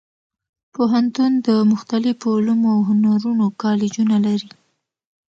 پوهنتون د مختلفو علومو او هنرونو کالجونه لري.